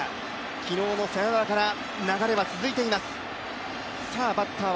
昨日のサヨナラから流れは続いています。